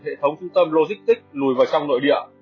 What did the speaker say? hệ thống trung tâm logistics lùi vào trong nội địa